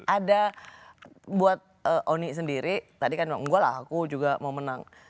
ada buat oni sendiri tadi kan enggak lah aku juga mau menang